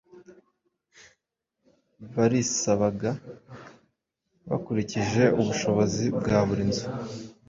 Barisabaga bakurikije ubushobozi bwa buri nzu